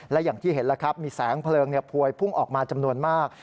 และอย่างที่เห็นแล้วครับมีแสงเพลิงพวยพุ่งออกมาจำนวนมาก